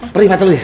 perih mata lo ya